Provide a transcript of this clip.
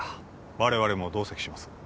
我々も同席します